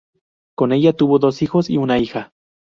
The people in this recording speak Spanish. Con ella tuvo dos hijos y una hija.